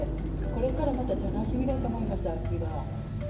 これからまた楽しみだと思います、秋は。